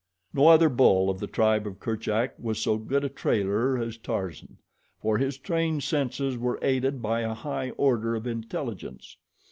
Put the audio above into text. No other bull of the tribe of Kerchak was so good a trailer as Tarzan, for his trained senses were aided by a high order of intelligence.